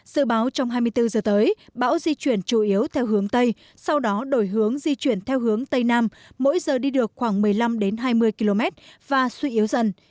sự báo trong hai mươi bốn giờ tới bão di chuyển chủ yếu theo hướng tây sau đó đổi hướng di chuyển theo hướng tây nam mỗi giờ đi được khoảng một mươi năm hai mươi km và suy yếu dần